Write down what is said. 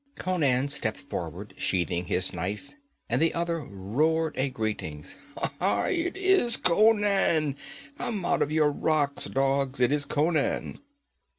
Conan stepped forward, sheathing his knife, and the other roared a greeting. 'Aye, it is Conan! Come out of your rocks, dogs! It is Conan!'